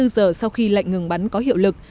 hai mươi giờ sau khi lệnh ngừng bắn có hiệu lực